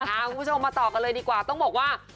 คุณผู้ชมมาต่อกันเลยดีกว่าต้องบอกว่า